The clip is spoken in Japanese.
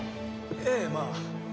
ええまあ。